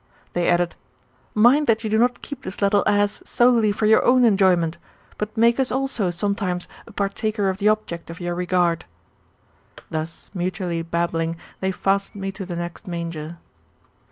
They added, " Mind that you do not keep this little ass solely for your own enjoyment, but make us also sometimes a partaker of the object of your regard." Thus mutually babbling, they fastened me to the next manger.